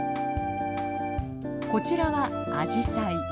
こちらはアジサイ。